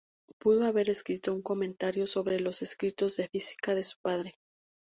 Pudo haber escrito un comentario sobre los escritos de física de su padre.